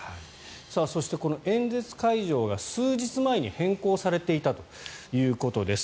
そして、この演説会場が数日前に変更されていたということです。